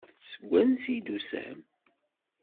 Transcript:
Seg wansi i d-tusam?